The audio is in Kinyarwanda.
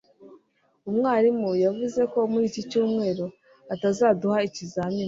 umwarimu yavuze ko muri iki cyumweru atazaduha ikizamini